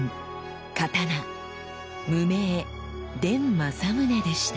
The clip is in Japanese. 「刀無銘伝正宗」でした。